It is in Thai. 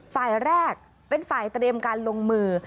ฝ่ายแรกเป็นฝ่ายเตรียมการลงมือ